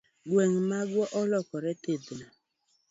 Gwenge magwa olokore thidhya.